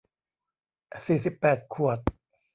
สี่สิบแปดขวด